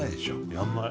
やんない？